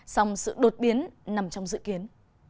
song sự đột biến nằm trong dự kiến